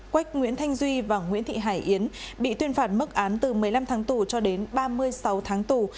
quách nguyễn thanh duy và nguyễn thị hải yến bị tuyên phạt mức án từ một mươi năm tháng tù cho đến ba mươi sáu tháng tù